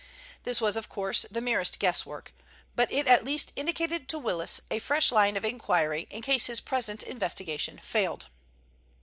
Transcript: This was of course the merest guesswork, but it at least indicated to Willis a fresh line of inquiry in case his present investigation failed.